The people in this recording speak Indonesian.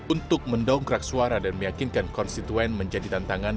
untuk mendongkrak suara dan meyakinkan konstituen menjadi tantangan